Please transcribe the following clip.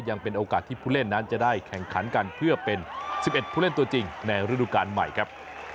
ยังเป็นโอกาสที่ผู้เล่นนั้นจะได้แข่งขันกันเพื่อเป็น๑๑ผู้เล่นตัวจริงในฤดูการใหม่ครับ